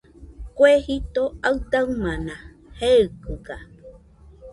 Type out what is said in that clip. Kue jito aɨdaɨmana jeikɨga